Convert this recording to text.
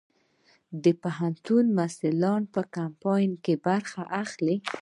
د پوهنتون محصلین په کمپاین کې برخه اخلي؟